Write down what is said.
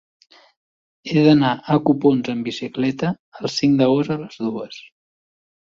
He d'anar a Copons amb bicicleta el cinc d'agost a les dues.